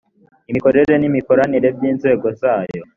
imikorere n imikoranire by inzego zayo